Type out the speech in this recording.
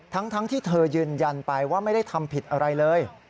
ทั้งที่เธอยืนยันไปว่าไม่ได้ทำผิดอะไรเลย